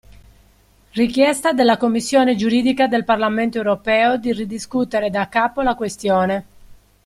Richiesta della Commissione Giuridica del Parlamento Europeo di ridiscutere da capo la questione.